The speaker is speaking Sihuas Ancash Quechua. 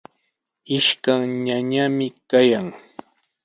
Ishkan ñañami kayan.